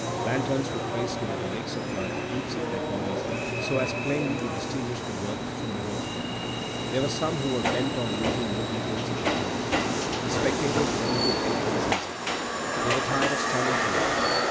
Lanterns were placed near the lakes of blood and heaps of dead bodies, so as plainly to distinguish the work from the workmen. There were some who were bent on losing no details of the carnage. The spectators wanted to take things easy. They were tired of standing too long.